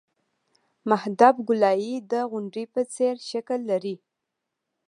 محدب ګولایي د غونډۍ په څېر شکل لري